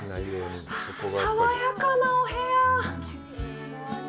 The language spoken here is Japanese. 爽やかなお部屋。